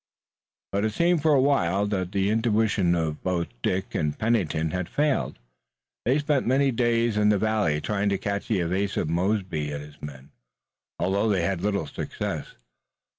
But it seemed for a while that the intuition of both Dick and Pennington had failed. They spent many days in the valley trying to catch the evasive Mosby and his men, although they had little success.